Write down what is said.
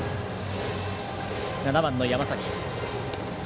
７番の山崎。